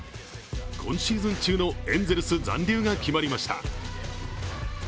今シーズン中のエンゼルス残留が決まりました。